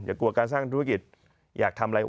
ถ้าใครเขาก็ต้องถามได้